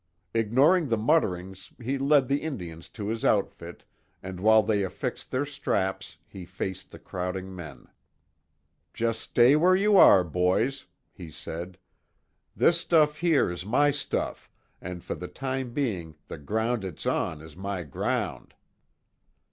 Ignoring the mutterings he led the Indians to his outfit and while they affixed their straps, he faced the crowding men. "Just stay where you are, boys," he said. "This stuff here is my stuff, and for the time being the ground it's on is my ground."